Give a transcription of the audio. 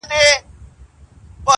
خو حیران سو چي سړی دومره هوښیار دی٫